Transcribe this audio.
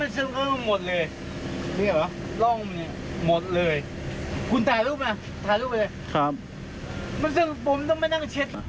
มันซึมปุ่มต้องไม่ต้องเช็ด